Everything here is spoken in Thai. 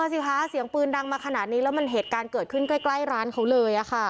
สิคะเสียงปืนดังมาขนาดนี้แล้วมันเหตุการณ์เกิดขึ้นใกล้ร้านเขาเลย